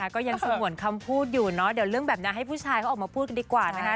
ก็ยังสงวนคำพูดอยู่เนาะเดี๋ยวเรื่องแบบนั้นให้ผู้ชายเขาออกมาพูดกันดีกว่านะคะ